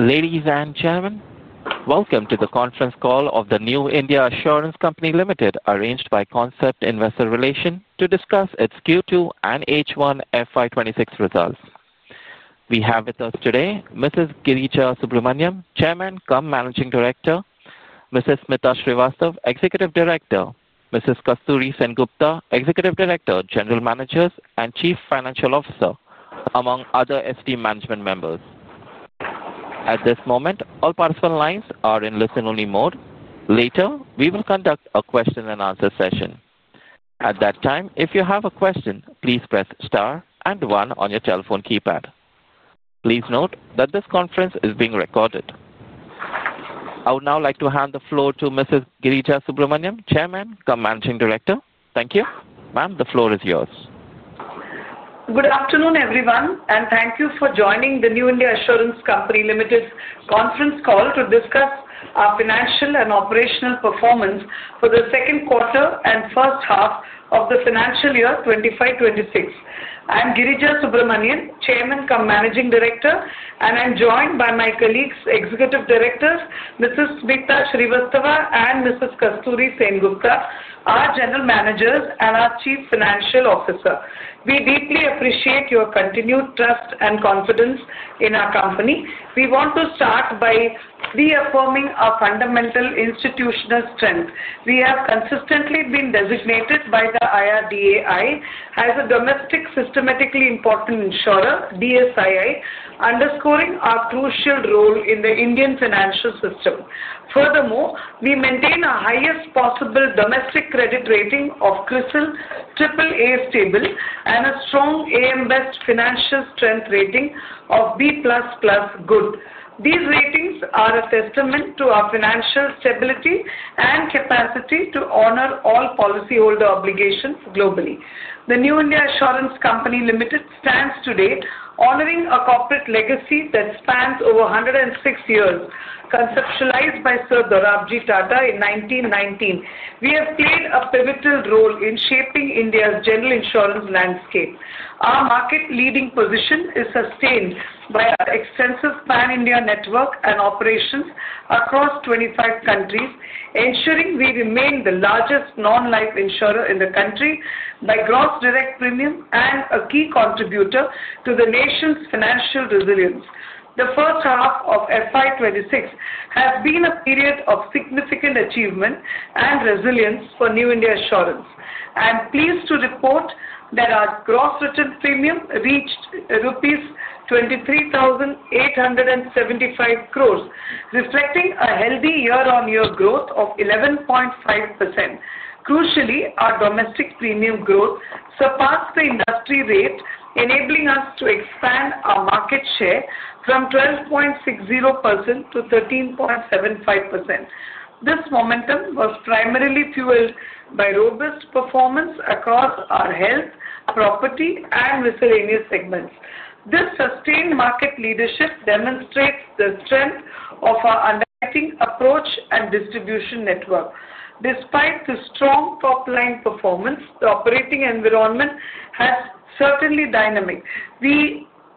Ladies and gentlemen, welcome to the conference call of the New India Assurance Company Limited, arranged by Concept Investor Relations to discuss its Q2 and H1 FY26 results. We have with us today Mrs. Girija Subramanian, Chairman and Managing Director; Mrs. Smita Srivastava, Executive Director; Mrs. Kasturi Sengupta, Executive Director, General Managers, and Chief Financial Officer, among other SD Management members. At this moment, all participant lines are in listen-only mode. Later, we will conduct a question-and-answer session. At that time, if you have a question, please press star and one on your telephone keypad. Please note that this conference is being recorded. I would now like to hand the floor to Mrs. Girija Subramaniam, Chairman and Managing Director. Thank you. Ma'am, the floor is yours. Good afternoon, everyone, and thank you for joining the New India Assurance Company Limited conference call to discuss our financial and operational performance for the second quarter and first half of the financial year 2025-2026. I'm Girija Subramaniam, Chairman, Managing Director, and I'm joined by my colleagues, Executive Directors Mrs. Mitha Srivastava and Mrs. Kasturi Sengupta, our General Managers and our Chief Financial Officer. We deeply appreciate your continued trust and confidence in our company. We want to start by reaffirming our fundamental institutional strength. We have consistently been designated by the IRDAI as a domestic systemically important insurer, DSII, underscoring our crucial role in the Indian financial system. Furthermore, we maintain a highest possible domestic credit rating of CRISIL AAA stable and a strong AM Best Financial Strength rating of B++ good. These ratings are a testament to our financial stability and capacity to honor all policyholder obligations globally. The New India Assurance Company Limited stands today honoring a corporate legacy that spans over 106 years, conceptualized by Sir Dorabji Tata in 1919. We have played a pivotal role in shaping India's general insurance landscape. Our market-leading position is sustained by our extensive pan-India network and operations across 25 countries, ensuring we remain the largest non-life insurer in the country by gross direct premium and a key contributor to the nation's financial resilience. The first half of FY26 has been a period of significant achievement and resilience for New India Assurance, and I'm pleased to report that our gross written premium reached rupees 23,875 crore, reflecting a healthy year-on-year growth of 11.5%. Crucially, our domestic premium growth surpassed the industry rate, enabling us to expand our market share from 12.60% to 13.75%. This momentum was primarily fueled by robust performance across our health, property, and miscellaneous segments. This sustained market leadership demonstrates the strength of our underwriting approach and distribution network. Despite the strong top-line performance, the operating environment has certainly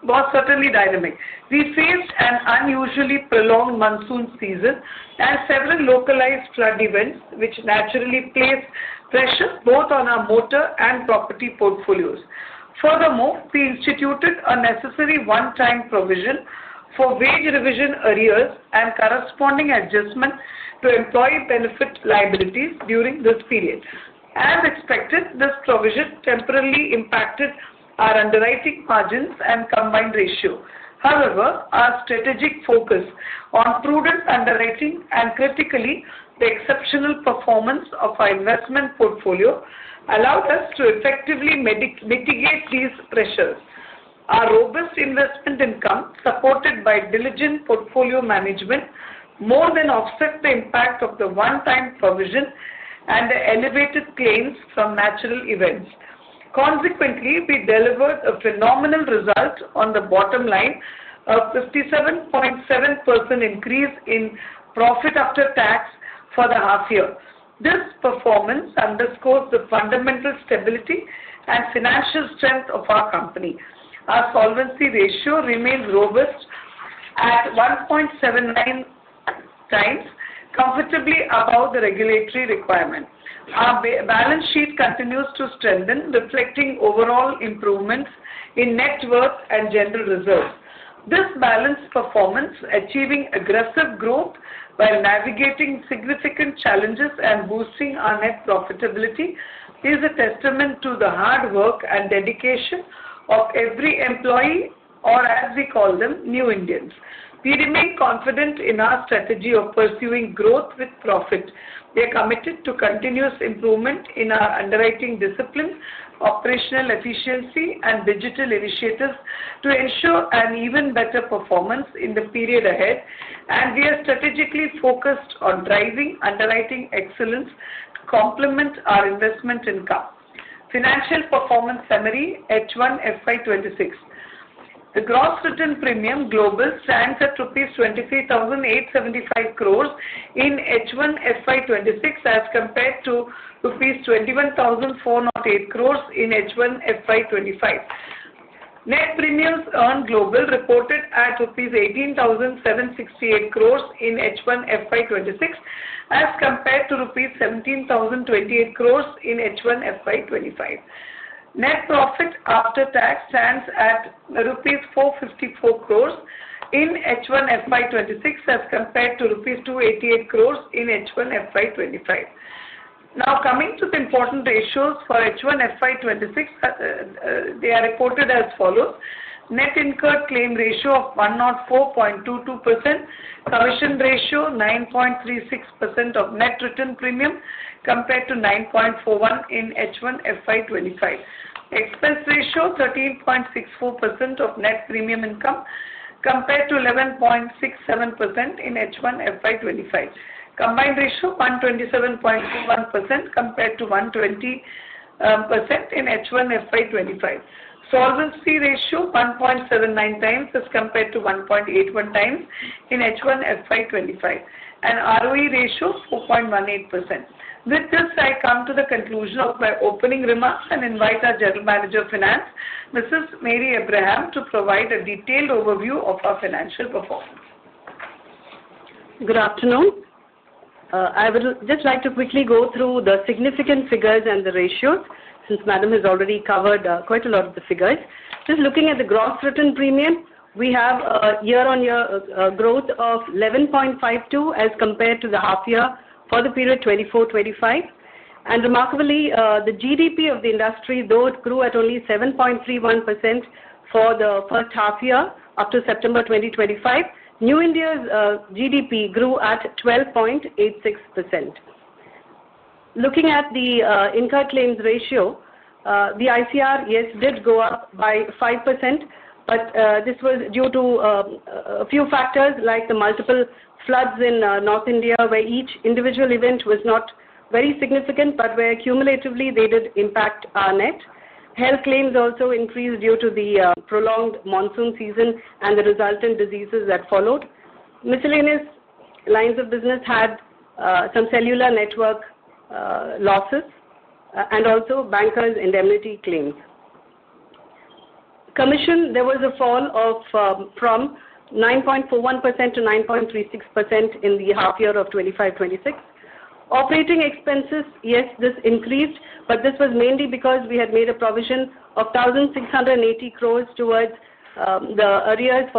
been dynamic. We faced an unusually prolonged monsoon season and several localized flood events, which naturally placed pressure both on our motor and property portfolios. Furthermore, we instituted a necessary one-time provision for wage revision arrears and corresponding adjustment to employee benefit liabilities during this period. As expected, this provision temporarily impacted our underwriting margins and combined ratio. However, our strategic focus on prudent underwriting and critically the exceptional performance of our investment portfolio allowed us to effectively mitigate these pressures. Our robust investment income, supported by diligent portfolio management, more than offset the impact of the one-time provision and the elevated claims from natural events. Consequently, we delivered a phenomenal result on the bottom line, a 57.7% increase in profit after tax for the half year. This performance underscores the fundamental stability and financial strength of our company. Our solvency ratio remains robust at 1.79 times, comfortably above the regulatory requirement. Our balance sheet continues to strengthen, reflecting overall improvements in net worth and general reserves. This balanced performance, achieving aggressive growth while navigating significant challenges and boosting our net profitability, is a testament to the hard work and dedication of every employee, or as we call them, New Indians. We remain confident in our strategy of pursuing growth with profit. We are committed to continuous improvement in our underwriting discipline, operational efficiency, and digital initiatives to ensure an even better performance in the period ahead, and we are strategically focused on driving underwriting excellence to complement our investment income. Financial performance summary, H1 FY26. The gross written premium global stands at INR 23,875 crore in H1 FY26 as compared to rupees 21,408 crore in H1 FY25. Net premiums earned global reported at rupees 18,768 crore in H1 FY26 as compared to rupees 17,028 crore in H1 FY25. Net profit after tax stands at rupees 454 crore in H1 FY26 as compared to rupees 288 crore in H1 FY25. Now coming to the important ratios for H1 FY26, they are reported as follows: Net incurred claim ratio of 104.22%, commission ratio 9.36% of net written premium compared to 9.41% in H1 FY25. Expense ratio 13.64% of net premium income compared to 11.67% in H1 FY25. Combined ratio 127.21% compared to 120% in H1 FY25. Solvency ratio 1.79 times as compared to 1.81 times in H1 FY25. ROE ratio 4.18%. With this, I come to the conclusion of my opening remarks and invite our General Manager of Finance, Mrs. Mary Abraham, to provide a detailed overview of our financial performance. Good afternoon. I would just like to quickly go through the significant figures and the ratios since Madam has already covered quite a lot of the figures. Just looking at the gross written premium, we have a year-on-year growth of 11.52% as compared to the half year for the period 2024-2025. Remarkably, the GWP of the industry, though it grew at only 7.31% for the first half year up to September 2025, New India's GWP grew at 12.86%. Looking at the incurred claims ratio, the ICR, yes, did go up by 5%, but this was due to a few factors like the multiple floods in North India where each individual event was not very significant, but where cumulatively they did impact our net. Health claims also increased due to the prolonged monsoon season and the resultant diseases that followed. Miscellaneous lines of business had some cellular network losses and also bankers' indemnity claims. Commission, there was a fall from 9.41% to 9.36% in the half year of 2025-2026. Operating expenses, yes, this increased, but this was mainly because we had made a provision of 1,680 crore towards the arrears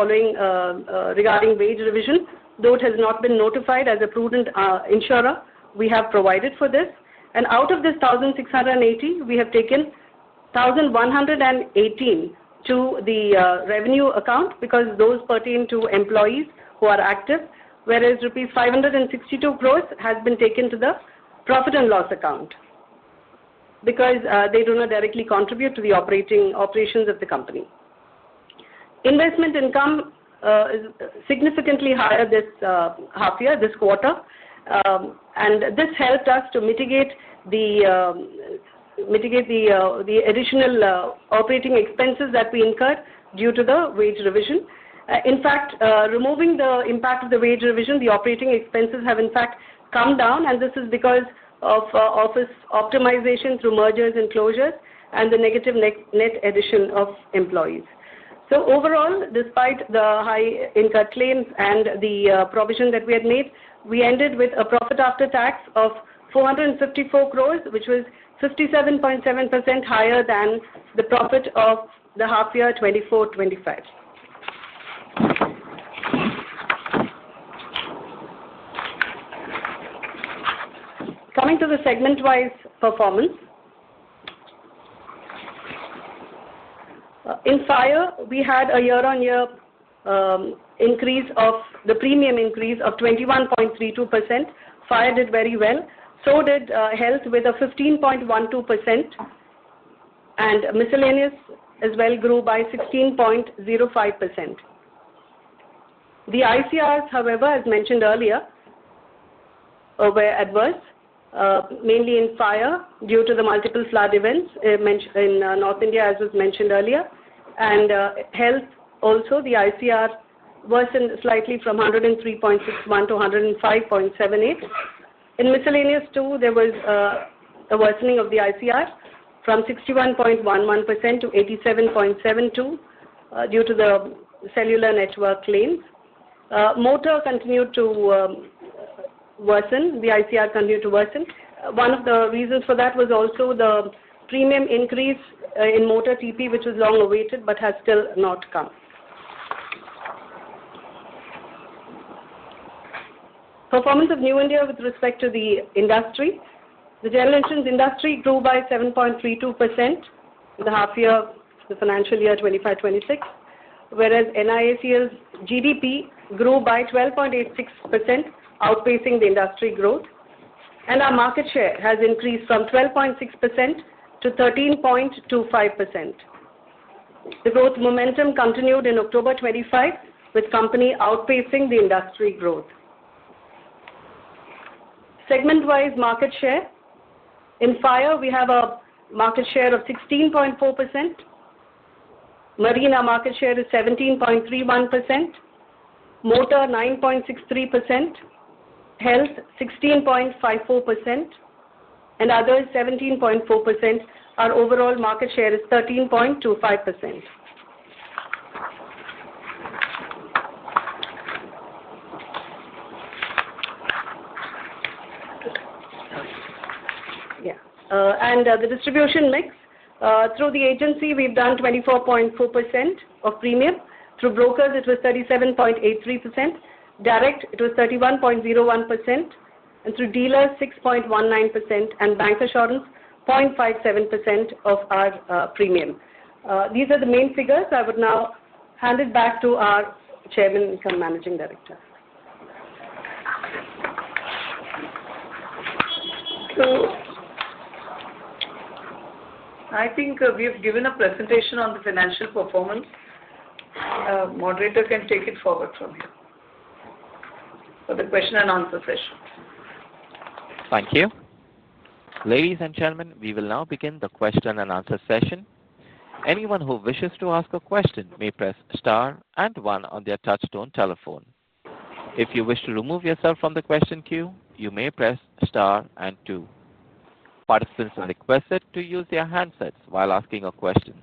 regarding wage revision, though it has not been notified as a prudent insurer we have provided for this. Out of this 1,680 crore, we have taken 1,118 crore to the revenue account because those pertain to employees who are active, whereas rupees 562 crore has been taken to the profit and loss account because they do not directly contribute to the operations of the company. Investment income is significantly higher this half year, this quarter, and this helped us to mitigate the additional operating expenses that we incurred due to the wage revision. In fact, removing the impact of the wage revision, the operating expenses have in fact come down, and this is because of office optimization through mergers and closures and the negative net addition of employees. Overall, despite the high incurred claims and the provision that we had made, we ended with a profit after tax of 454 crore, which was 57.7% higher than the profit of the half year 2024-2025. Coming to the segment-wise performance, in fire, we had a year-on-year increase of the premium increase of 21.32%. Fire did very well. Health also did well with a 15.12%, and miscellaneous as well grew by 16.05%. The ICRs, however, as mentioned earlier, were adverse, mainly in fire due to the multiple flood events in North India, as was mentioned earlier. Health also, the ICR worsened slightly from 103.61 to 105.78. In miscellaneous too, there was a worsening of the ICR from 61.11% to 87.72% due to the cellular network claims. Motor continued to worsen. The ICR continued to worsen. One of the reasons for that was also the premium increase in motor TP, which was long awaited but has still not come. Performance of New India with respect to the industry. The general insurance industry grew by 7.32% in the half year, the financial year 2025-2026, whereas NIACL's GDP grew by 12.86%, outpacing the industry growth. Our market share has increased from 12.6% to 13.25%. The growth momentum continued in October 2025 with company outpacing the industry growth. Segment-wise market share. In fire, we have a market share of 16.4%. Marine, our market share is 17.31%. Motor, 9.63%. Health, 16.54%. Others, 17.4%. Our overall market share is 13.25%. Yeah. The distribution mix. Through the agency, we have done 24.4% of premium. Through brokers, it was 37.83%. Direct, it was 31.01%. Through dealers, 6.19%. Bank assurance, 0.57% of our premium. These are the main figures. I would now hand it back to our Chairman and Managing Director. I think we have given a presentation on the financial performance. Moderator can take it forward from here for the question and answer session. Thank you. Ladies and gentlemen, we will now begin the question and answer session. Anyone who wishes to ask a question may press star and one on their touchstone telephone. If you wish to remove yourself from the question queue, you may press star and two. Participants are requested to use their handsets while asking a question.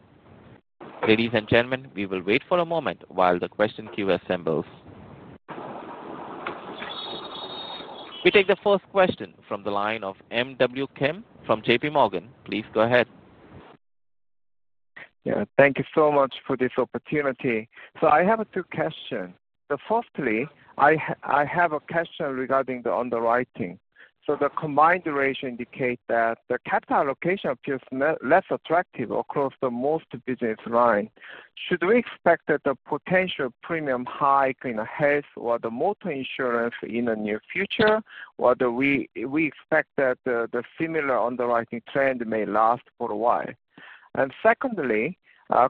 Ladies and gentlemen, we will wait for a moment while the question queue assembles. We take the first question from the line of M.W. Kim from JPMorgan. Please go ahead. Yeah. Thank you so much for this opportunity. I have two questions. Firstly, I have a question regarding the underwriting. The combined ratio indicates that the capital allocation appears less attractive across the most business line. Should we expect that the potential premium hike in health or the motor insurance in the near future, or do we expect that the similar underwriting trend may last for a while? Secondly,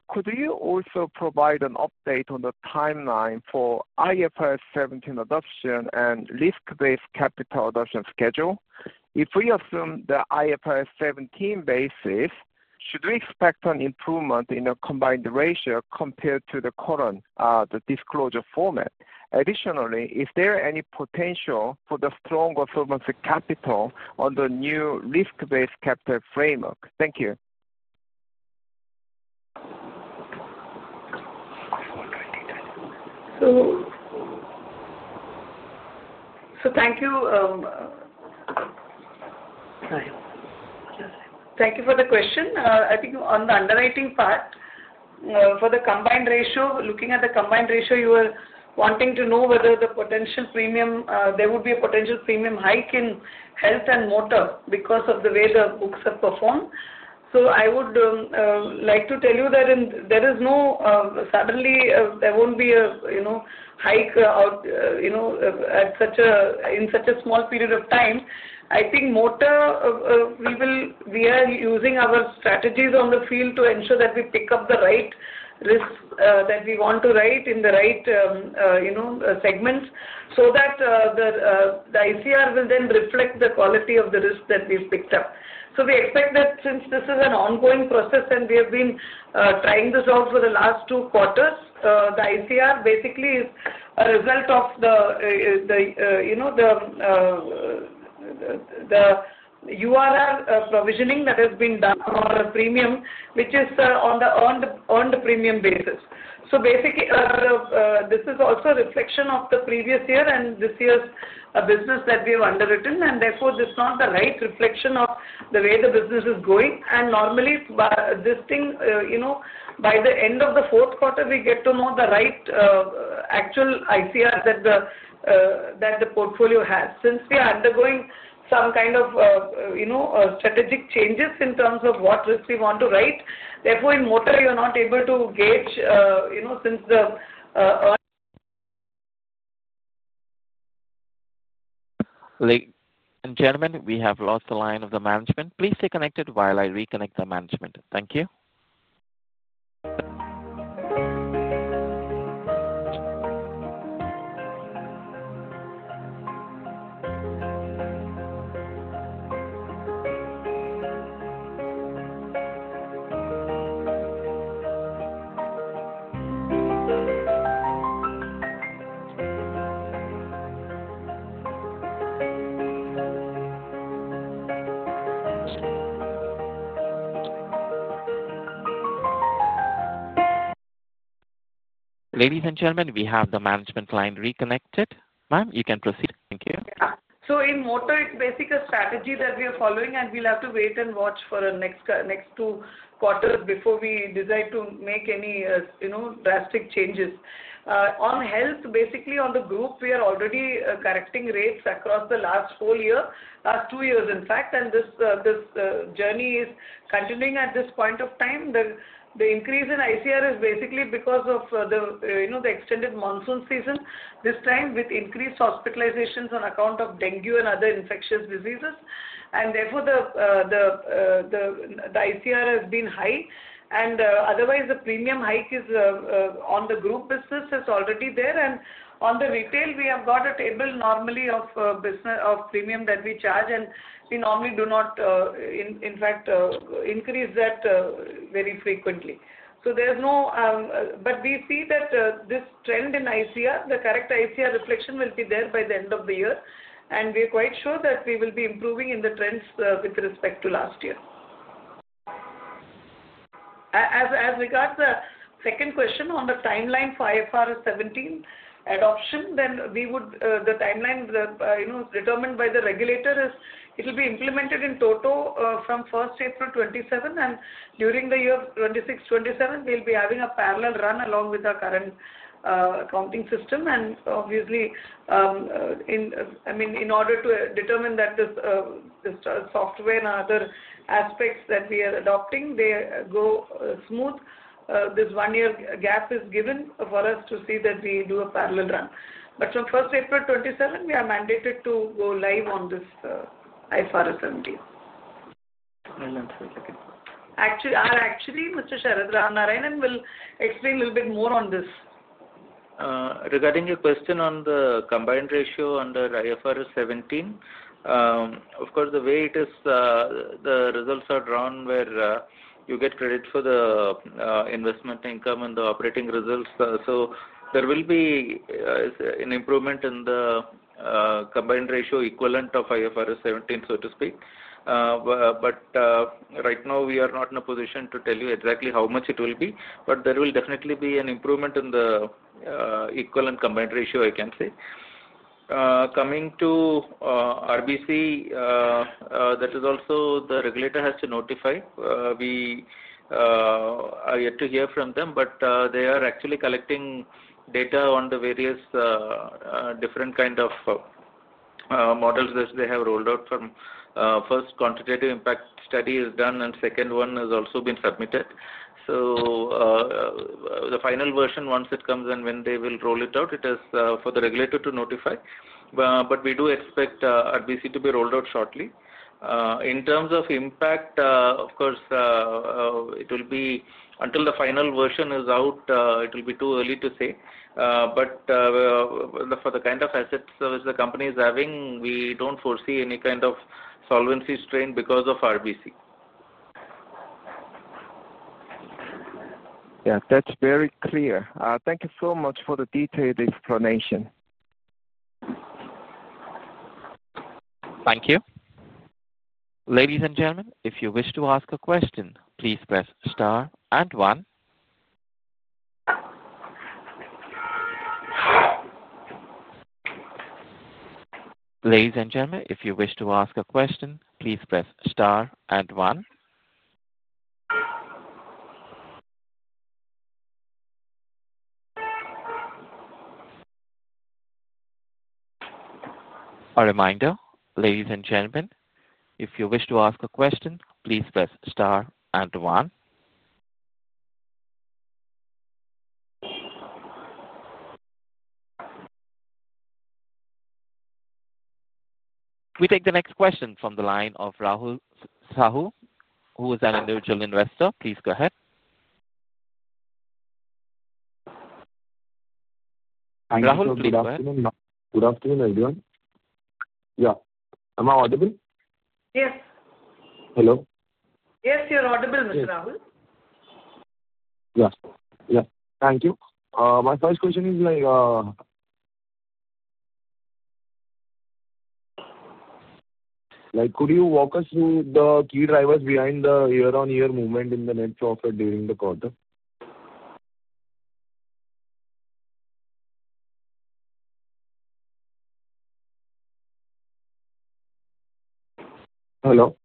could you also provide an update on the timeline for IFRS 17 adoption and risk-based capital adoption schedule? If we assume the IFRS 17 basis, should we expect an improvement in the combined ratio compared to the current disclosure format? Additionally, is there any potential for the stronger solvency capital on the new risk-based capital framework? Thank you. Thank you. Thank you for the question. I think on the underwriting part, for the combined ratio, looking at the combined ratio, you were wanting to know whether the potential premium, there would be a potential premium hike in health and motor because of the way the books have performed. I would like to tell you that there is no, suddenly there will not be a hike at such a small period of time. I think motor, we are using our strategies on the field to ensure that we pick up the right risks that we want to write in the right segments so that the ICR will then reflect the quality of the risk that we have picked up. We expect that since this is an ongoing process and we have been trying this out for the last two quarters, the ICR basically is a result of the URR provisioning that has been done for a premium, which is on the earned premium basis. Basically, this is also a reflection of the previous year and this year's business that we have underwritten, and therefore this is not the right reflection of the way the business is going. Normally, by this thing, by the end of the fourth quarter, we get to know the right actual ICR that the portfolio has. Since we are undergoing some kind of strategic changes in terms of what risk we want to write, therefore in motor, you are not able to gauge since the. Ladies and gentlemen, we have lost the line of the management. Please stay connected while I reconnect the management. Thank you. Ladies and gentlemen, we have the management line reconnected. Ma'am, you can proceed. Thank you. Yeah. In motor, it's basically a strategy that we are following, and we'll have to wait and watch for the next two quarters before we decide to make any drastic changes. On health, basically on the group, we are already correcting rates across the last whole year, last two years in fact, and this journey is continuing at this point of time. The increase in ICR is basically because of the extended monsoon season this time with increased hospitalizations on account of dengue and other infectious diseases. Therefore, the ICR has been high. Otherwise, the premium hike is on the group business that's already there. On the retail, we have got a table normally of premium that we charge, and we normally do not, in fact, increase that very frequently. There is no, but we see that this trend in ICR, the correct ICR reflection will be there by the end of the year. We are quite sure that we will be improving in the trends with respect to last year. As regards the second question on the timeline for IFRS 17 adoption, the timeline determined by the regulator is it will be implemented in total from April 1, 2027. During the year 2026-2027, we will be having a parallel run along with our current accounting system. Obviously, I mean, in order to determine that this software and other aspects that we are adopting, they go smooth, this one-year gap is given for us to see that we do a parallel run. From April 1, 2027, we are mandated to go live on this IFRS 17. Actually, Mr. Sharad Ram Narayanan will explain a little bit more on this. Regarding your question on the combined ratio under IFRS 17, of course, the way it is, the results are drawn where you get credit for the investment income and the operating results. There will be an improvement in the combined ratio equivalent of IFRS 17, so to speak. Right now, we are not in a position to tell you exactly how much it will be, but there will definitely be an improvement in the equivalent combined ratio, I can say. Coming to RBC, that is also the regulator has to notify. We are yet to hear from them, but they are actually collecting data on the various different kinds of models that they have rolled out. The first quantitative impact study is done, and the second one has also been submitted. The final version, once it comes and when they will roll it out, it is for the regulator to notify. We do expect RBC to be rolled out shortly. In terms of impact, of course, until the final version is out, it will be too early to say. For the kind of assets the company is having, we do not foresee any kind of solvency strain because of RBC. Yeah. That's very clear. Thank you so much for the detailed explanation. Thank you. Ladies and gentlemen, if you wish to ask a question, please press star and one. A reminder, ladies and gentlemen, if you wish to ask a question, please press star and one. We take the next question from the line of Rahul Sahu, who is an individual investor. Please go ahead. Thank you for the invitation. Rahul, please go ahead. Good afternoon, everyone. Yeah. Am I audible? Yes. Hello. Yes, you're audible, Mr. Rahul. Yes. Yes. Thank you. My first question is like, could you walk us through the key drivers behind the year-on-year movement in the net profit during the quarter? Hello?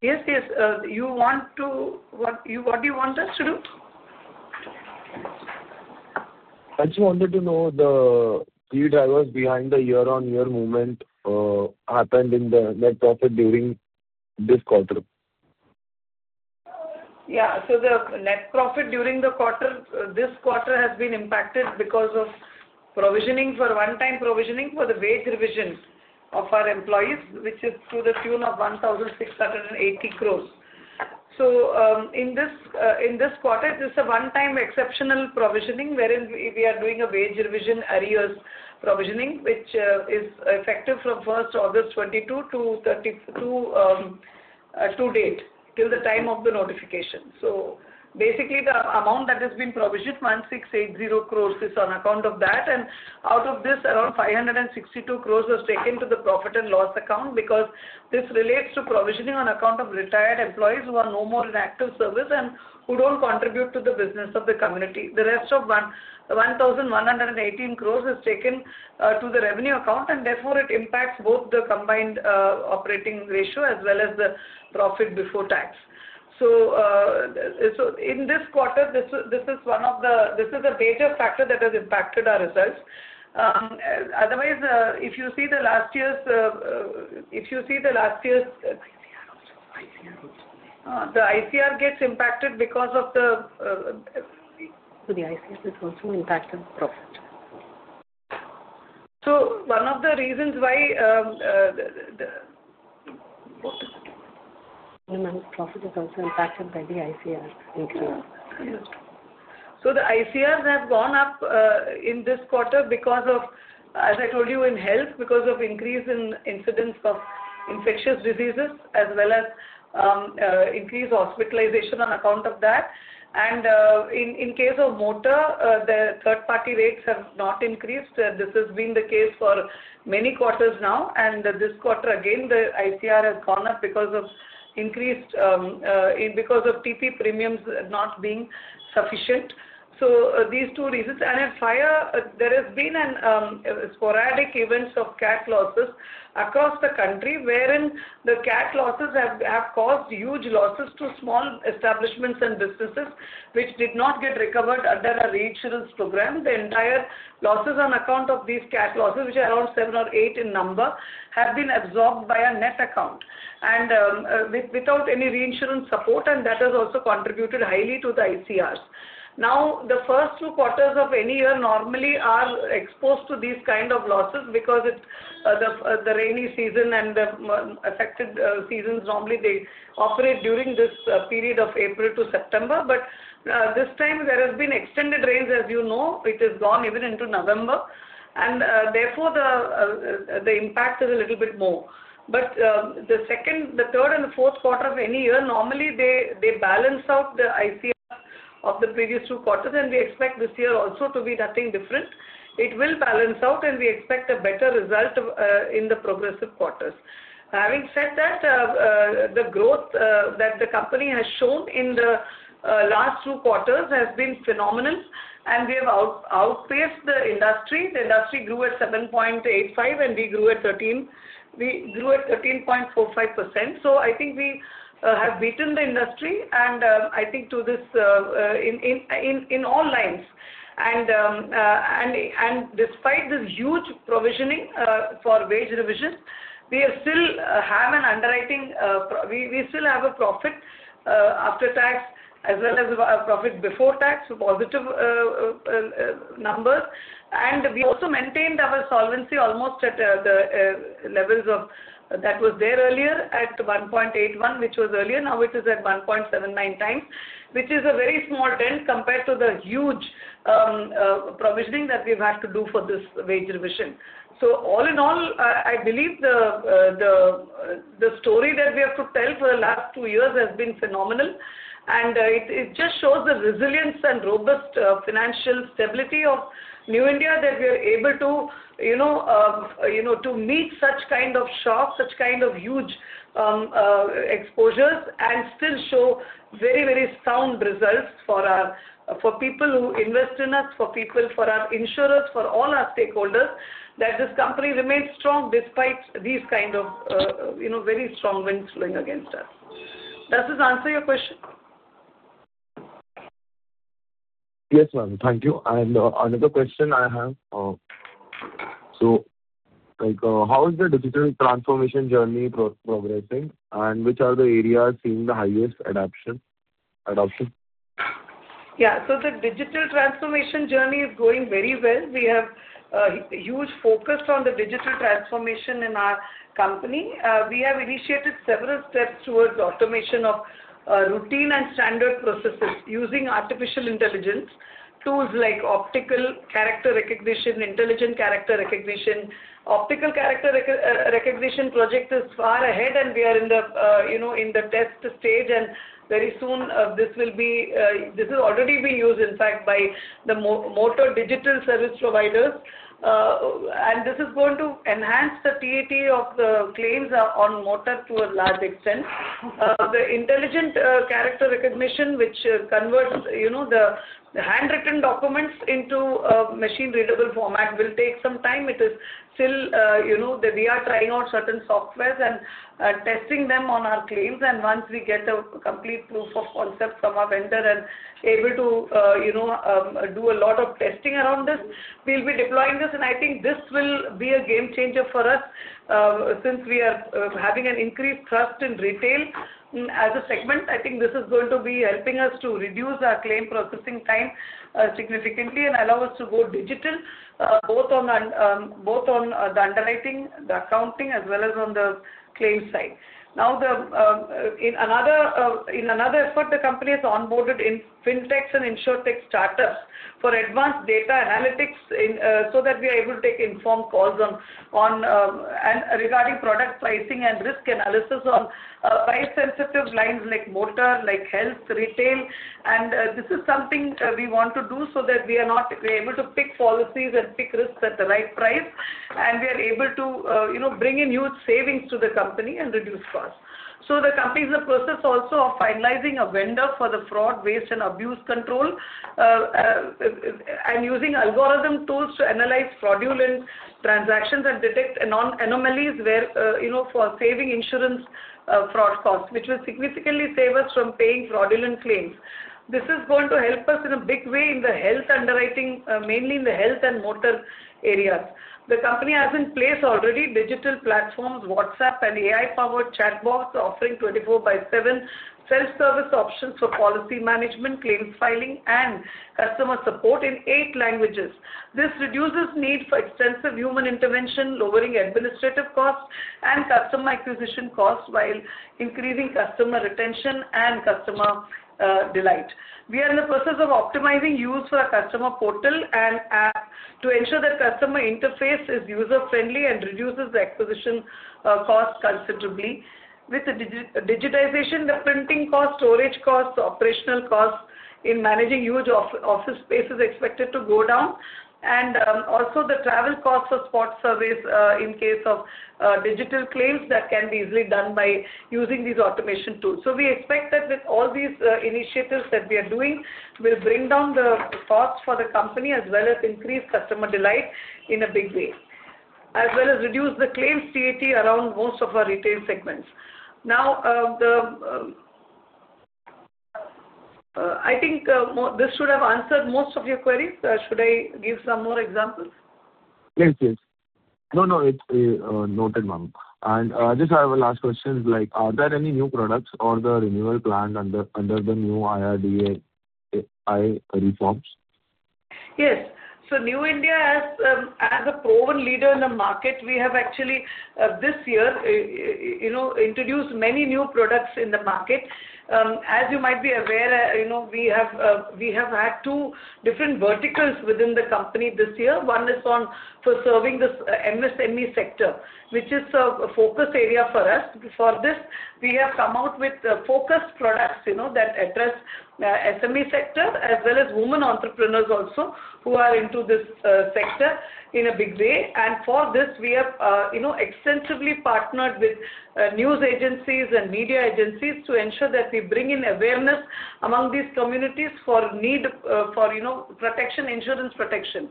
Yes, yes. What do you want us to do? I just wanted to know the key drivers behind the year-on-year movement happened in the net profit during this quarter. Yeah. The net profit during the quarter, this quarter has been impacted because of provisioning for one-time provisioning for the wage revision of our employees, which is to the tune of 1,680 crore. In this quarter, this is a one-time exceptional provisioning wherein we are doing a wage revision arrears provisioning, which is effective from 1 August 2022 to date till the time of the notification. Basically, the amount that has been provisioned, 1,680 crore, is on account of that. Out of this, around 562 crore was taken to the profit and loss account because this relates to provisioning on account of retired employees who are no more in active service and who do not contribute to the business of the community. The rest of 1,118 crore is taken to the revenue account, and therefore, it impacts both the combined operating ratio as well as the profit before tax. In this quarter, this is a major factor that has impacted our results. Otherwise, if you see last year's, the ICR gets impacted because of the. So the ICR is also impacted profit. One of the reasons why the. Minimum profit is also impacted by the ICR increase. The ICRs have gone up in this quarter because of, as I told you, in health, because of increase in incidence of infectious diseases as well as increased hospitalization on account of that. In case of motor, the third-party rates have not increased. This has been the case for many quarters now. This quarter, again, the ICR has gone up because of TP premiums not being sufficient. These two reasons. At fire, there have been sporadic events of CAT losses across the country wherein the CAT losses have caused huge losses to small establishments and businesses, which did not get recovered under a reinsurance program. The entire losses on account of these CAT losses, which are around seven or eight in number, have been absorbed by a net account without any reinsurance support, and that has also contributed highly to the ICRs. Now, the first two quarters of any year normally are exposed to these kinds of losses because the rainy season and the affected seasons normally they operate during this period of April to September. This time, there has been extended rains, as you know. It has gone even into November. Therefore, the impact is a little bit more. The third and the fourth quarter of any year, normally they balance out the ICRs of the previous two quarters, and we expect this year also to be nothing different. It will balance out, and we expect a better result in the progressive quarters. Having said that, the growth that the company has shown in the last two quarters has been phenomenal, and we have outpaced the industry. The industry grew at 7.85%, and we grew at 13.45%. I think we have beaten the industry, and I think to this in all lines. Despite this huge provisioning for wage revision, we still have an underwriting, we still have a profit after tax as well as a profit before tax, so positive numbers. We also maintained our solvency almost at the levels that was there earlier at 1.81, which was earlier. Now it is at 1.79 times, which is a very small dent compared to the huge provisioning that we've had to do for this wage revision. All in all, I believe the story that we have to tell for the last two years has been phenomenal, and it just shows the resilience and robust financial stability of New India that we are able to meet such kind of shocks, such kind of huge exposures, and still show very, very sound results for our people who invest in us, for people, for our insurers, for all our stakeholders, that this company remains strong despite these kinds of very strong winds blowing against us. Does this answer your question? Yes, ma'am. Thank you. Another question I have. How is the digital transformation journey progressing, and which are the areas seeing the highest adoption? Yeah. The digital transformation journey is going very well. We have huge focus on the digital transformation in our company. We have initiated several steps towards automation of routine and standard processes using artificial intelligence tools like optical character recognition, intelligent character recognition. Optical character recognition project is far ahead, and we are in the test stage, and very soon, this has already been used, in fact, by the motor digital service providers. This is going to enhance the TAT of the claims on motor to a large extent. The intelligent character recognition, which converts the handwritten documents into a machine-readable format, will take some time. It is still that we are trying out certain softwares and testing them on our claims. Once we get a complete proof of concept from our vendor and are able to do a lot of testing around this, we'll be deploying this. I think this will be a game changer for us since we are having an increased trust in retail as a segment. I think this is going to be helping us to reduce our claim processing time significantly and allow us to go digital both on the underwriting, the accounting, as well as on the claim side. In another effort, the company has onboarded fintechs and insurtech startups for advanced data analytics so that we are able to take informed calls regarding product pricing and risk analysis on price-sensitive lines like motor, like health, retail. This is something we want to do so that we are able to pick policies and pick risks at the right price, and we are able to bring in huge savings to the company and reduce costs. The company is in the process also of finalizing a vendor for the fraud, waste, and abuse control and using algorithm tools to analyze fraudulent transactions and detect anomalies for saving insurance fraud costs, which will significantly save us from paying fraudulent claims. This is going to help us in a big way in the health underwriting, mainly in the health and motor areas. The company has in place already digital platforms, WhatsApp, and AI-powered chatbots offering 24x7 self-service options for policy management, claims filing, and customer support in eight languages. This reduces the need for extensive human intervention, lowering administrative costs and customer acquisition costs while increasing customer retention and customer delight. We are in the process of optimizing use for a customer portal and app to ensure that customer interface is user-friendly and reduces the acquisition cost considerably. With the digitization, the printing cost, storage costs, operational costs in managing huge office space is expected to go down, and also the travel costs for spot surveys in case of digital claims that can be easily done by using these automation tools. We expect that with all these initiatives that we are doing, we'll bring down the cost for the company as well as increase customer delight in a big way, as well as reduce the claims TAT around most of our retail segments. Now, I think this should have answered most of your queries. Should I give some more examples? Yes, yes. No, no. It's a noted one. I just have a last question. Are there any new products or the renewal plan under the new IRDAI reforms? Yes. New India, as a proven leader in the market, we have actually this year introduced many new products in the market. As you might be aware, we have had two different verticals within the company this year. One is for serving the MSME sector, which is a focus area for us. For this, we have come out with focused products that address the SME sector as well as women entrepreneurs also who are into this sector in a big way. For this, we have extensively partnered with news agencies and media agencies to ensure that we bring in awareness among these communities for protection, insurance protection.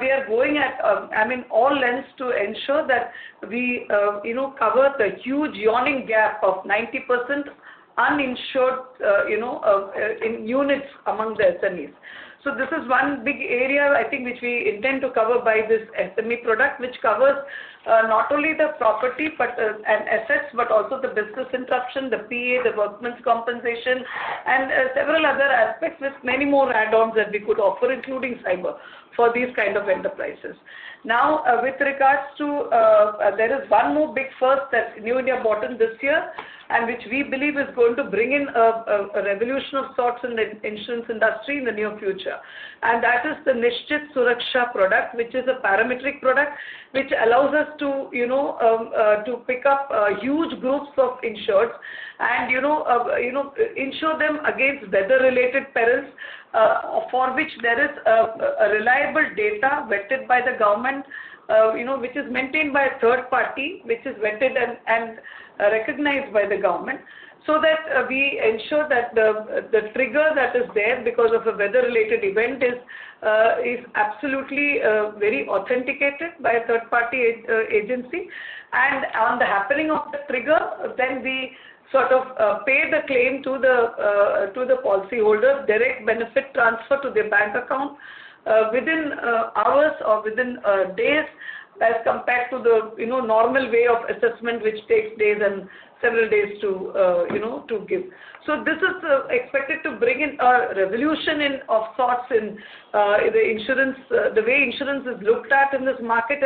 We are going at, I mean, all lengths to ensure that we cover the huge yawning gap of 90% uninsured units among the SMEs. This is one big area, I think, which we intend to cover by this SME product, which covers not only the property and assets, but also the business interruption, the PA, the workmen's compensation, and several other aspects with many more add-ons that we could offer, including cyber for these kinds of enterprises. Now, with regards to there is one more big first that New India brought this year and which we believe is going to bring in a revolution of sorts in the insurance industry in the near future. That is the Nishchit Suraksha product, which is a parametric product which allows us to pick up huge groups of insureds and insure them against weather-related perils for which there is reliable data vetted by the government, which is maintained by a third party, which is vetted and recognized by the government so that we ensure that the trigger that is there because of a weather-related event is absolutely very authenticated by a third-party agency. On the happening of the trigger, we sort of pay the claim to the policyholder direct benefit transfer to their bank account within hours or within days as compared to the normal way of assessment, which takes days and several days to give. This is expected to bring in a revolution of sorts in the way insurance is looked at in this market.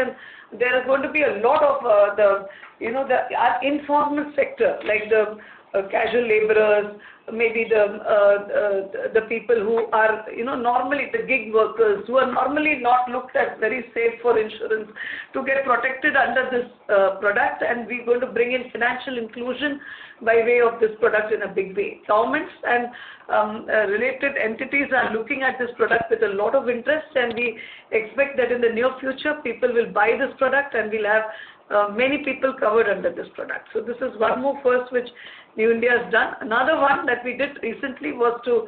There are going to be a lot of the informal sector, like the casual laborers, maybe the people who are normally the gig workers who are normally not looked at very safe for insurance, to get protected under this product. We are going to bring in financial inclusion by way of this product in a big way. Governments and related entities are looking at this product with a lot of interest, and we expect that in the near future, people will buy this product, and we will have many people covered under this product. This is one more first which New India has done. Another one that we did recently was to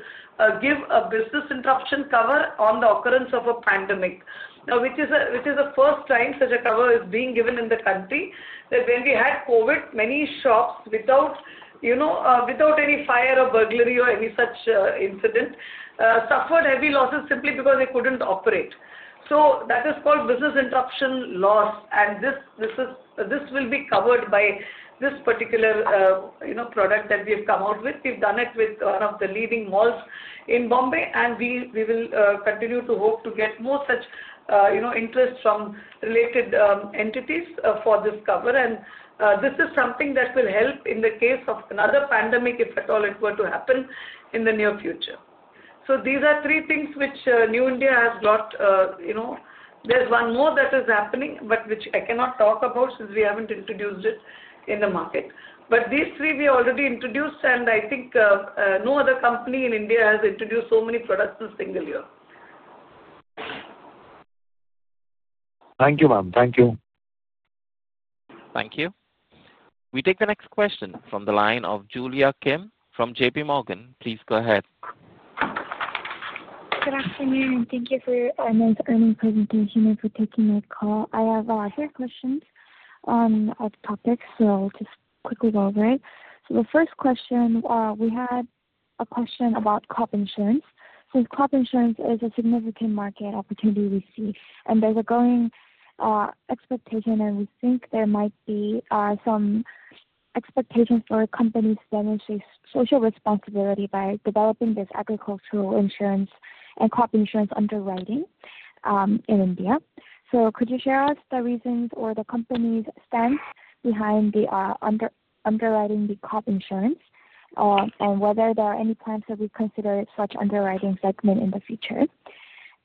give a business interruption cover on the occurrence of a pandemic, which is the first time such a cover is being given in the country. When we had COVID, many shops without any fire or burglary or any such incident suffered heavy losses simply because they couldn't operate. That is called business interruption loss. This will be covered by this particular product that we have come out with. We've done it with one of the leading malls in Bombay, and we will continue to hope to get more such interest from related entities for this cover. This is something that will help in the case of another pandemic, if at all it were to happen in the near future. These are three things which New India has got. There's one more that is happening, but which I cannot talk about since we haven't introduced it in the market. These three we already introduced, and I think no other company in India has introduced so many products in a single year. Thank you, ma'am. Thank you. Thank you. We take the next question from the line of Julia Kim from JPMorgan. Please go ahead. Good afternoon. Thank you for your earnings presentation and for taking my call. I have a few questions on a topic, so I'll just quickly go over it. The first question, we had a question about crop insurance. Since crop insurance is a significant market opportunity we see, and there's a growing expectation, and we think there might be some expectations for companies to demonstrate social responsibility by developing this agricultural insurance and crop insurance underwriting in India. Could you share with us the reasons or the company's stance behind underwriting the crop insurance and whether there are any plans to reconsider such underwriting segment in the future?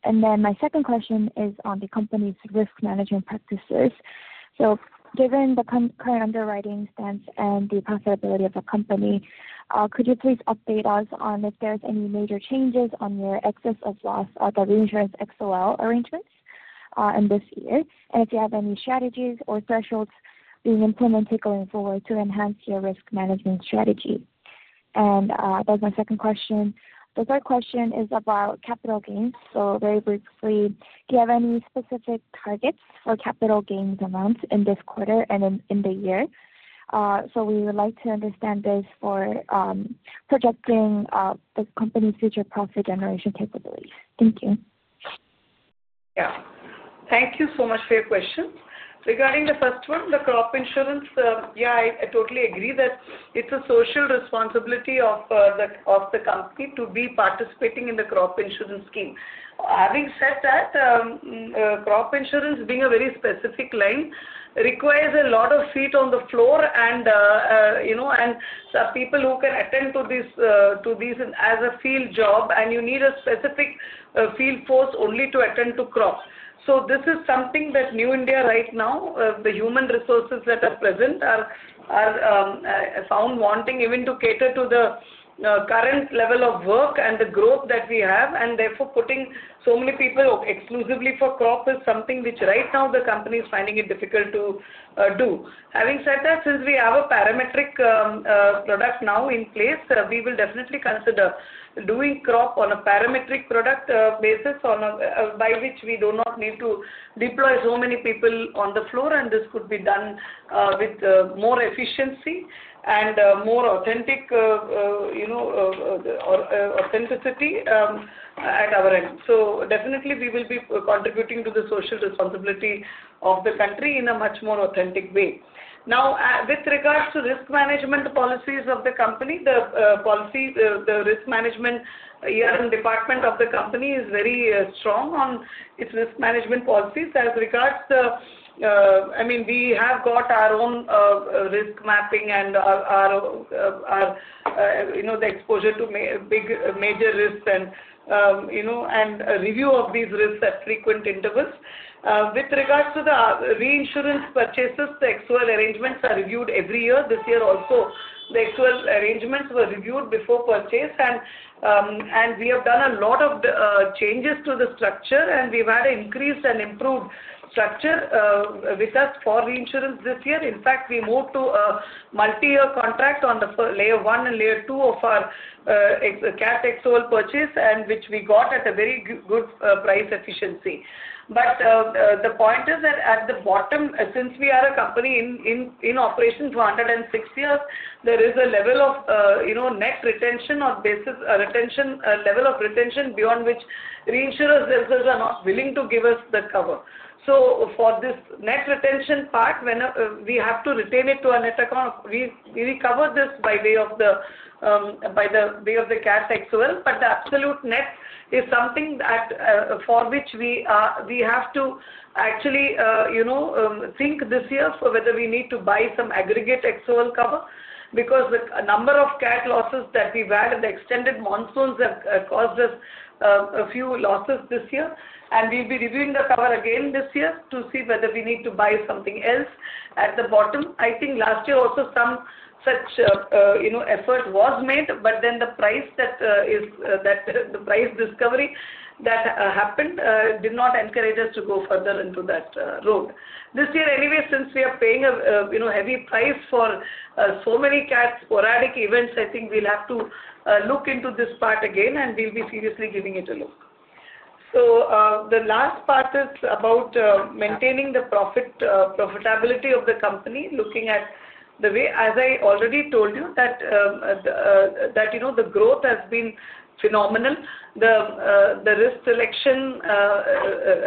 My second question is on the company's risk management practices. Given the current underwriting stance and the profitability of the company, could you please update us on if there's any major changes on your excess of loss or the reinsurance XOL arrangements in this year? If you have any strategies or thresholds being implemented going forward to enhance your risk management strategy? That's my second question. The third question is about capital gains. Very briefly, do you have any specific targets for capital gains amounts in this quarter and in the year? We would like to understand this for projecting the company's future profit generation capabilities. Thank you. Yeah. Thank you so much for your question. Regarding the first one, the crop insurance, yeah, I totally agree that it's a social responsibility of the company to be participating in the crop insurance scheme. Having said that, crop insurance, being a very specific line, requires a lot of feet on the floor and some people who can attend to this as a field job, and you need a specific field force only to attend to crop. This is something that New India right now, the human resources that are present, are found wanting even to cater to the current level of work and the growth that we have. Therefore, putting so many people exclusively for crop is something which right now the company is finding it difficult to do. Having said that, since we have a parametric product now in place, we will definitely consider doing crop on a parametric product basis by which we do not need to deploy so many people on the floor, and this could be done with more efficiency and more authenticity at our end. Definitely, we will be contributing to the social responsibility of the country in a much more authentic way. Now, with regards to risk management policies of the company, the risk management department of the company is very strong on its risk management policies as regards the, I mean, we have got our own risk mapping and the exposure to major risks and review of these risks at frequent intervals. With regards to the reinsurance purchases, the XOL arrangements are reviewed every year. This year also, the XOL arrangements were reviewed before purchase, and we have done a lot of changes to the structure, and we've had an increased and improved structure with us for reinsurance this year. In fact, we moved to a multi-year contract on the layer one and layer two of our CAT XOL purchase, which we got at a very good price efficiency. The point is that at the bottom, since we are a company in operation for 106 years, there is a level of net retention or level of retention beyond which reinsurers themselves are not willing to give us the cover. For this net retention part, we have to retain it to a net account. We cover this by way of the CAT XOL, but the absolute net is something for which we have to actually think this year whether we need to buy some aggregate XOL cover because the number of CAT losses that we've had, the extended monsoons have caused us a few losses this year, and we'll be reviewing the cover again this year to see whether we need to buy something else at the bottom. I think last year also some such effort was made, but then the price discovery that happened did not encourage us to go further into that road. This year, anyway, since we are paying a heavy price for so many CAT sporadic events, I think we'll have to look into this part again, and we'll be seriously giving it a look. The last part is about maintaining the profitability of the company, looking at the way, as I already told you, that the growth has been phenomenal. The risk selection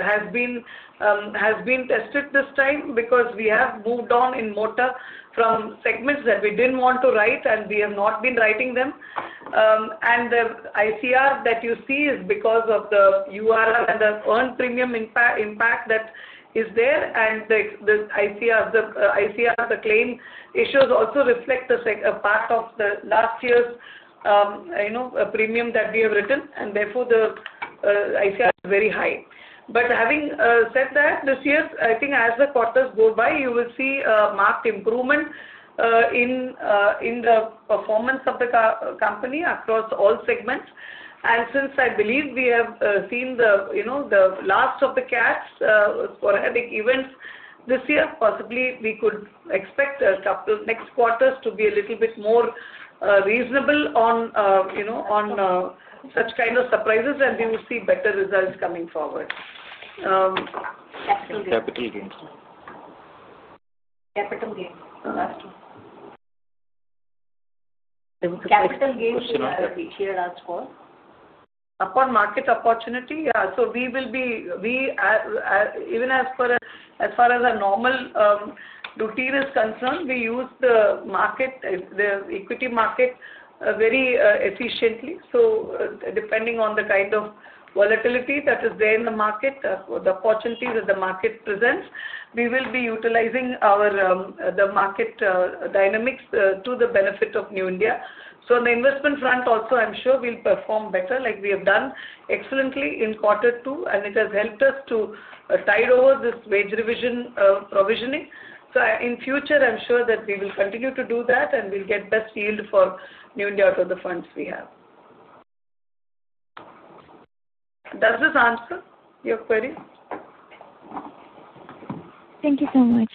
has been tested this time because we have moved on in motor from segments that we did not want to write, and we have not been writing them. The ICR that you see is because of the URL and the earned premium impact that is there, and the ICR, the claim issues also reflect a part of the last year's premium that we have written, and therefore the ICR is very high. Having said that, this year, I think as the quarters go by, you will see a marked improvement in the performance of the company across all segments. Since I believe we have seen the last of the CAT sporadic events this year, possibly we could expect next quarters to be a little bit more reasonable on such kind of surprises, and we will see better results coming forward. Capital gains. Capital gains. Capital gains are a big share as well. Upon market opportunity, yeah. We will be, even as far as a normal routine is concerned, we use the equity market very efficiently. Depending on the kind of volatility that is there in the market, the opportunities that the market presents, we will be utilizing the market dynamics to the benefit of New India. On the investment front also, I'm sure we'll perform better like we have done excellently in quarter two, and it has helped us to tide over this wage revision provisioning. In future, I'm sure that we will continue to do that, and we'll get best yield for New India out of the funds we have. Does this answer your query? Thank you so much.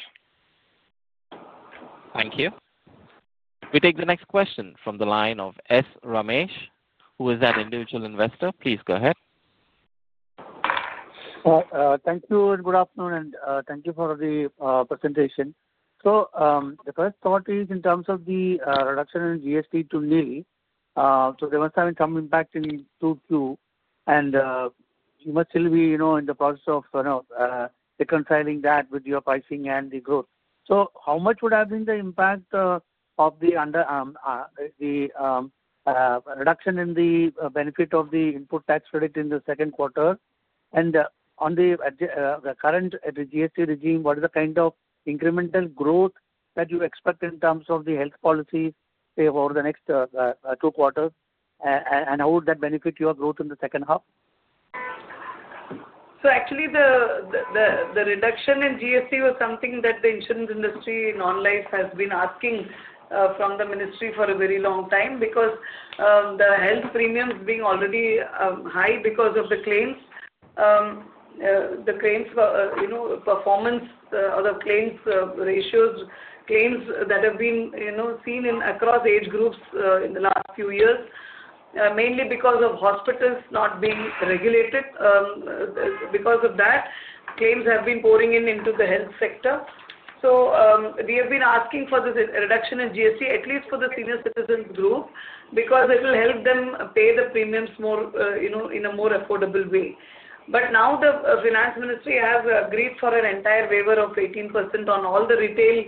Thank you. We take the next question from the line of S. Ramesh, who is an individual investor. Please go ahead. Thank you, and good afternoon, and thank you for the presentation. The first thought is in terms of the reduction in GST to NIL, so there must have been some impact in Q2, and you must still be in the process of reconciling that with your pricing and the growth. How much would have been the impact of the reduction in the benefit of the input tax credit in the second quarter? On the current GST regime, what is the kind of incremental growth that you expect in terms of the health policies over the next two quarters, and how would that benefit your growth in the second half? Actually, the reduction in GST was something that the insurance industry and non-life has been asking from the ministry for a very long time because the health premiums being already high because of the claims, the claims performance, other claims ratios, claims that have been seen across age groups in the last few years, mainly because of hospitals not being regulated. Because of that, claims have been pouring into the health sector. We have been asking for this reduction in GST, at least for the senior citizens group, because it will help them pay the premiums in a more affordable way. Now the finance ministry has agreed for an entire waiver of 18% on all the retail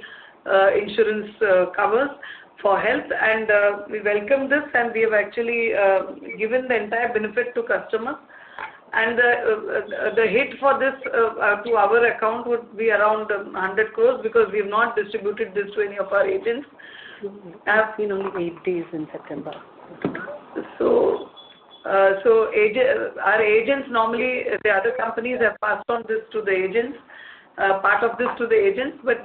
insurance covers for health, and we welcome this, and we have actually given the entire benefit to customers. The hit for this to our account would be around 100 crore because we have not distributed this to any of our agents. We have been only paid this in September. Our agents normally, the other companies have passed on this to the agents, part of this to the agents, but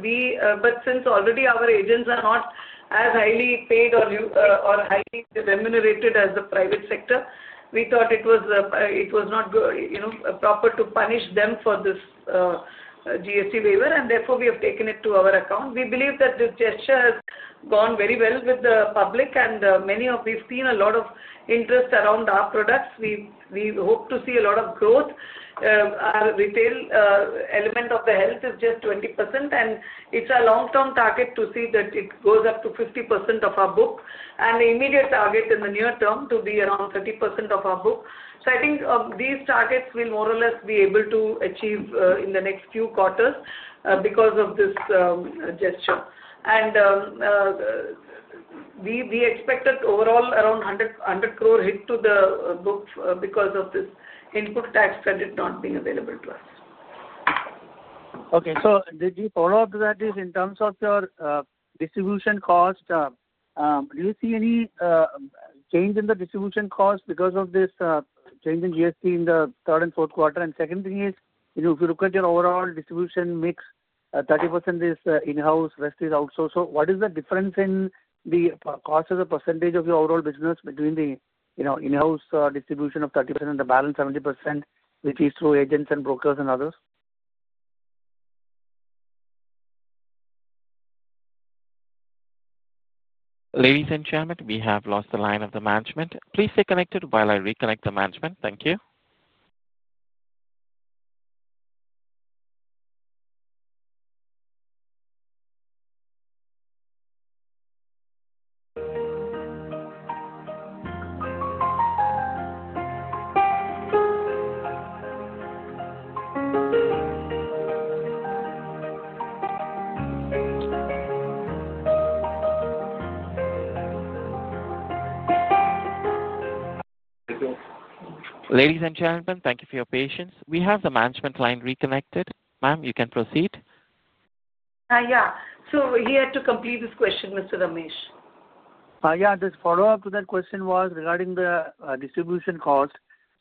since already our agents are not as highly paid or highly remunerated as the private sector, we thought it was not proper to punish them for this GST waiver, and therefore we have taken it to our account. We believe that this gesture has gone very well with the public, and many of we've seen a lot of interest around our products. We hope to see a lot of growth. Our retail element of the health is just 20%, and it's a long-term target to see that it goes up to 50% of our book and the immediate target in the near term to be around 30% of our book. I think these targets will more or less be able to achieve in the next few quarters because of this gesture. We expected overall around 100 crore hit to the book because of this input tax credit not being available to us. Okay. So did you follow up to that is in terms of your distribution cost, do you see any change in the distribution cost because of this change in GST in the third and fourth quarter? The second thing is, if you look at your overall distribution mix, 30% is in-house, rest is outsourced. What is the difference in the cost as a percentage of your overall business between the in-house distribution of 30% and the balance 70%, which is through agents and brokers and others? Ladies and gentlemen, we have lost the line of the management. Please stay connected while I reconnect the management. Thank you. Ladies and gentlemen, thank you for your patience. We have the management line reconnected. Ma'am, you can proceed. Yeah. So we're here to complete this question, Mr. Ramesh. Yeah. Just follow up to that question was regarding the distribution cost.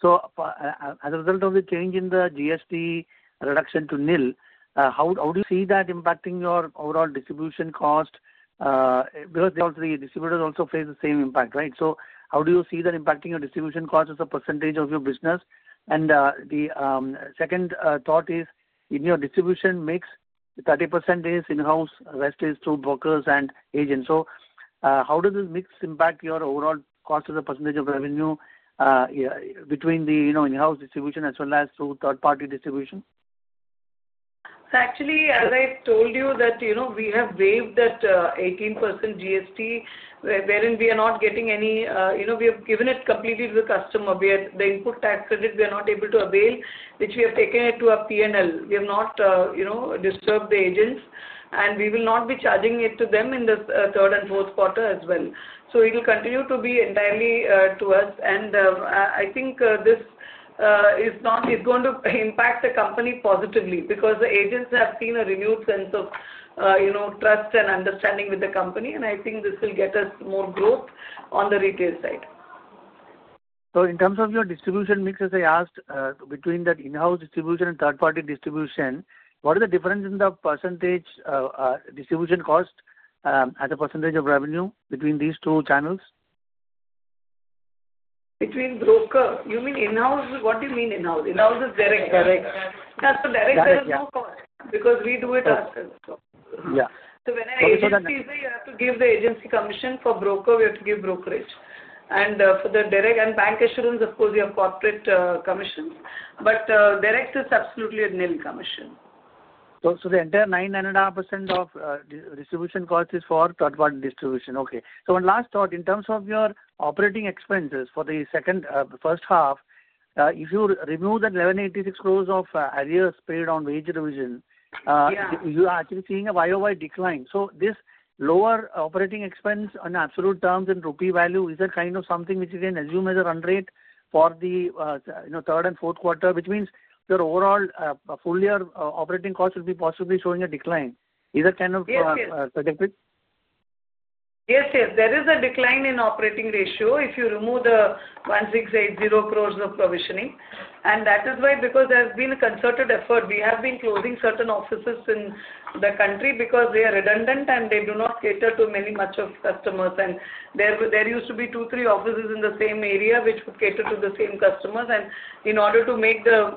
As a result of the change in the GST reduction to NIL, how do you see that impacting your overall distribution cost? Because the distributors also face the same impact, right? How do you see that impacting your distribution cost as a percentage of your business? The second thought is in your distribution mix, 30% is in-house, rest is through brokers and agents. How does this mix impact your overall cost as a percentage of revenue between the in-house distribution as well as through third-party distribution? Actually, as I told you, we have waived that 18% GST, wherein we are not getting any, we have given it completely to the customer. The input tax credit, we are not able to avail, which we have taken to a P&L. We have not disturbed the agents, and we will not be charging it to them in the third and fourth quarter as well. It will continue to be entirely to us, and I think this is going to impact the company positively because the agents have seen a renewed sense of trust and understanding with the company, and I think this will get us more growth on the retail side. In terms of your distribution mix, as I asked, between that in-house distribution and third-party distribution, what is the difference in the percentage distribution cost as a percentage of revenue between these two channels? Between broker, you mean in-house? What do you mean in-house? In-house is direct. Direct. Direct has no cost because we do it ourselves. When I exit this way, you have to give the agency commission. For broker, we have to give brokerage. For the direct and bancassurance, of course, you have corporate commissions, but direct is absolutely a NIL commission. The entire 99% of distribution cost is for third-party distribution. Okay. One last thought, in terms of your operating expenses for the second first half, if you remove the 1,186 crore of arrears paid on wage revision, you are actually seeing a year-over-year decline. This lower operating expense on absolute terms and Rupee value is a kind of something which you can assume as a run rate for the third and fourth quarter, which means your overall full-year operating cost will be possibly showing a decline. Is that kind of predictive? Yes, yes. There is a decline in operating ratio if you remove the 1,680 crore of provisioning. That is why, because there has been a concerted effort. We have been closing certain offices in the country because they are redundant, and they do not cater to much of customers. There used to be two, three offices in the same area which would cater to the same customers. In order to make the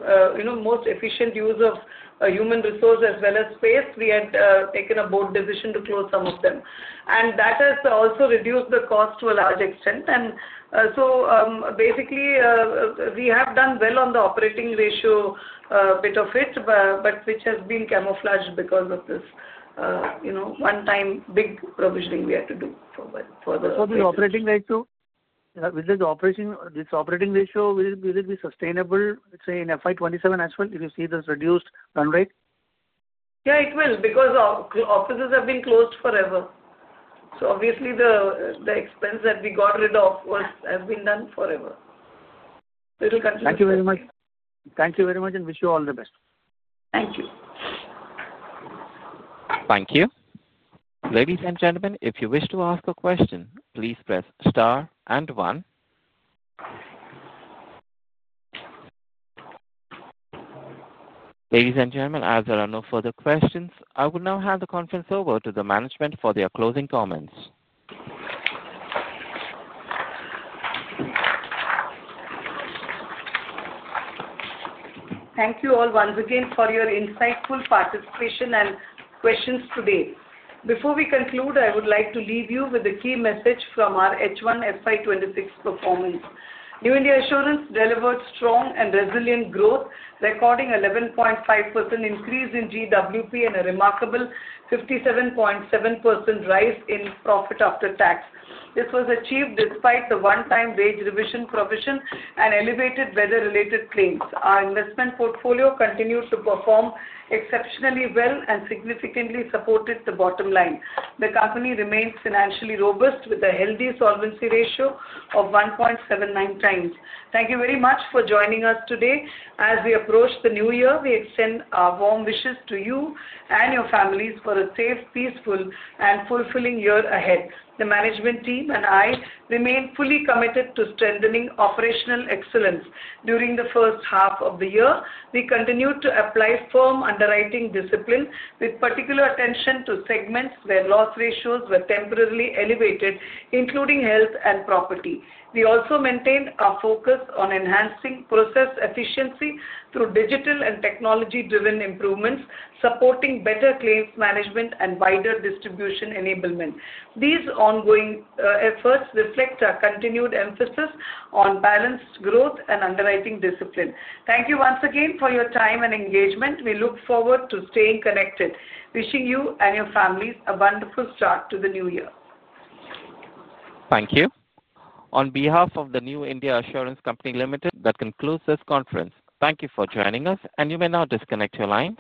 most efficient use of human resource as well as space, we had taken a board decision to close some of them. That has also reduced the cost to a large extent. Basically, we have done well on the operating ratio bit of it, but which has been camouflaged because of this one-time big provisioning we had to do for the. With this operating ratio, will it be sustainable, say, in FY 2027 as well, if you see this reduced run rate? Yeah, it will because offices have been closed forever. Obviously, the expense that we got rid of has been done forever. It will continue. Thank you very much. Thank you very much, and wish you all the best. Thank you. Thank you. Ladies and gentlemen, if you wish to ask a question, please press star and one. Ladies and gentlemen, as there are no further questions, I will now hand the conference over to the management for their closing comments. Thank you all once again for your insightful participation and questions today. Before we conclude, I would like to leave you with a key message from our H1 FY 2026 performance. New India Assurance delivered strong and resilient growth, recording 11.5% increase in GWP and a remarkable 57.7% rise in profit after tax. This was achieved despite the one-time wage revision provision and elevated weather-related claims. Our investment portfolio continued to perform exceptionally well and significantly supported the bottom line. The company remains financially robust with a healthy solvency ratio of 1.79 times. Thank you very much for joining us today. As we approach the new year, we extend our warm wishes to you and your families for a safe, peaceful, and fulfilling year ahead. The management team and I remain fully committed to strengthening operational excellence. During the first half of the year, we continued to apply firm underwriting discipline with particular attention to segments where loss ratios were temporarily elevated, including health and property. We also maintained our focus on enhancing process efficiency through digital and technology-driven improvements, supporting better claims management and wider distribution enablement. These ongoing efforts reflect our continued emphasis on balanced growth and underwriting discipline. Thank you once again for your time and engagement. We look forward to staying connected. Wishing you and your families a wonderful start to the new year. Thank you. On behalf of the New India Assurance Company Limited, that concludes this conference. Thank you for joining us, and you may now disconnect your lines.